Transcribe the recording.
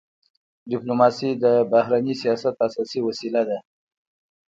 ډيپلوماسي د بهرني سیاست اساسي وسیله ده.